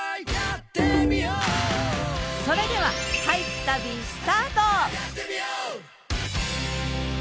それでは俳句旅スタート！